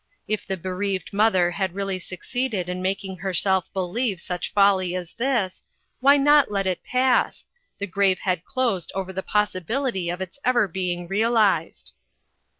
If the bereaved mother had really succeeded iu making herself believe such folly as this, why not let it pass the grave had closed over the possibility of its ever being realized